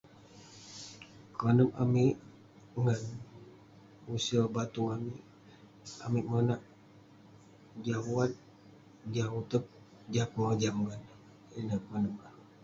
Konep amik, ngan use batung amik, amik monak jah wat, jah uteg, jah pengojam, ineh